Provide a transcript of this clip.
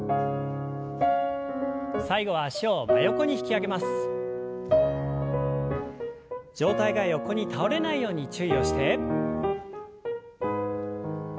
上体が横に倒れないように注意をして。